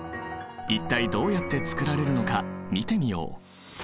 一体どうやってつくられるのか見てみよう。